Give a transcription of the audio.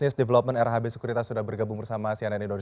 selamat pagi pak berli selamat tahun baru